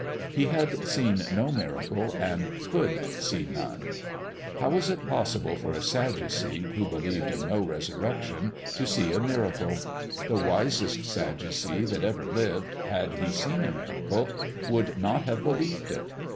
He had seen no miracle and could see none. How was it possible for a sadducee, who believed in no resurrection, to see a miracle? The wisest sadducee that ever lived, had he seen a miracle, would not have believed it.